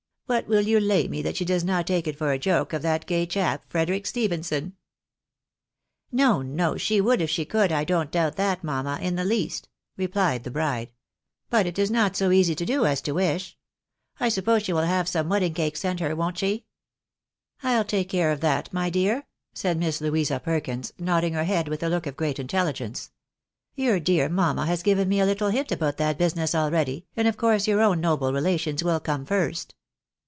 What will you lay me that she does not take it for a joke of that gay chap, Frederic Stephenson ?"" ISTo, no, she would if she could, I don't doubt that, mamma, in the least," replied the bride ;" but it is not so easy to do as to wish. I suppose she will have some wedding cake sent her, won't she?" " I'll take care of that, my dear," said Miss Louisa Perkins, nodding her head with a look of great intelligence. " Your dear mamma has given me a Uttle hint about that business already, and of course your own noble relations wUl come first."